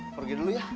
pergi dulu ya